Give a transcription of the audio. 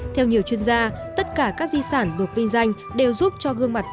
theo nhiều chuyên gia tất cả các di sản được viên danh đều giúp cho gương mặt tổ chức